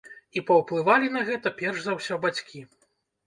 І паўплывалі на гэта, перш за ўсё, бацькі.